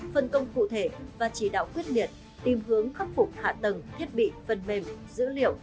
phân công cụ thể và chỉ đạo quyết liệt tìm hướng khắc phục hạ tầng thiết bị phần mềm dữ liệu